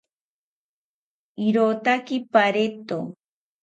Irotaki pareto